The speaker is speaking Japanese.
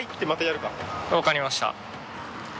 分かりました。